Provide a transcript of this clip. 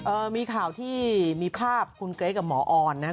มีข่าวที่มีภาพคุณเกรทกับหมอออนนะครับ